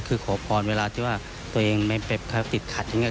คือขอพรเวลาที่ว่าตัวเองไม่ไปติดขัดอย่างนี้